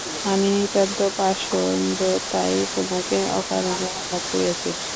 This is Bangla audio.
আমি নিতান্ত পাষণ্ড, তাই তোমাকে অকারণে আঘাত করিয়াছি।